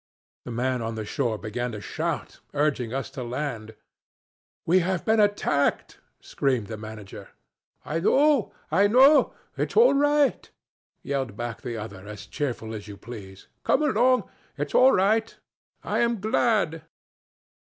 The man on the shore began to shout, urging us to land. 'We have been attacked,' screamed the manager. 'I know I know. It's all right,' yelled back the other, as cheerful as you please. 'Come along. It's all right. I am glad.'